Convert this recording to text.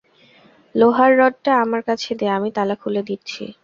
লোহার রডটা আমার কাছে দে, আমি তালা খুলে দিচ্ছি।